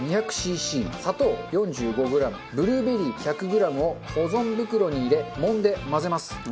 シーシー砂糖４５グラムブルーベリー１００グラムを保存袋に入れもんで混ぜます。